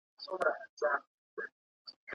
¬ ړوند رڼا نه پېژني.